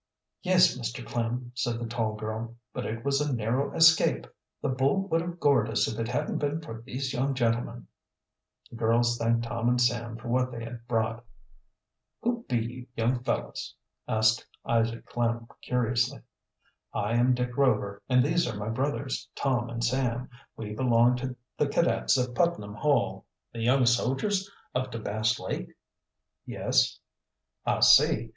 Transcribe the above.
"Yes, Mr. Klem," said the tall girl. "But it was a narrow escape. The bull would have gored us if it hadn't been for these young gentlemen." The girls thanked Tom and Sam for what they had brought. "Who be you young fellows?" asked Isaac Klem curiously. "I am Dick Rover, and these are my brothers Tom and Sam. We belong to the cadets of Putnam Hall." "The young sodgers up to Bass Lake?" "Yes." "I see.